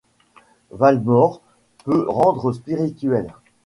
Valmore peut rendre spirituelles.